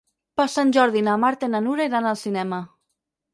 Per Sant Jordi na Marta i na Nura iran al cinema.